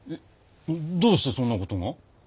どうしてそんなことが？